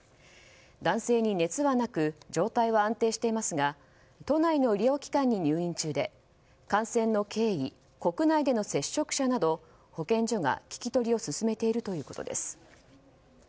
男性に熱はなく状態は安定していますが都内の医療機関に入院中で感染の経緯、国内での接触者など保健所が聞き取りを進めているということです。